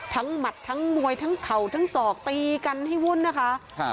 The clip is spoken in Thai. หมัดทั้งมวยทั้งเข่าทั้งศอกตีกันให้วุ่นนะคะครับ